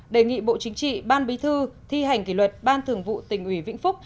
đề nghị bộ chính trị ban bí thư thi hành kỷ luật ban thường vụ tỉnh ủy vĩnh phúc